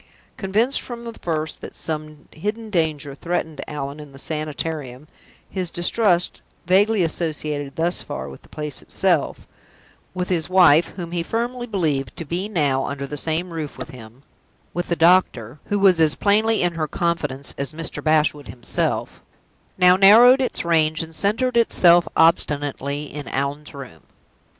Convinced from the first that some hidden danger threatened Allan in the Sanitarium, his distrust vaguely associated, thus far, with the place itself; with his wife (whom he firmly believed to be now under the same roof with him); with the doctor, who was as plainly in her confidence as Mr. Bashwood himself now narrowed its range, and centered itself obstinately in Allan's room.